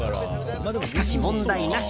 しかし、問題なし。